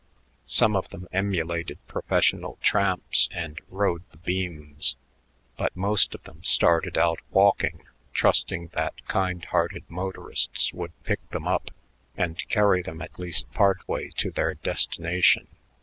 Some of them emulated professional tramps, and "rode the beams," but most of them started out walking, trusting that kind hearted motorists would pick them up and carry them at least part way to their destination.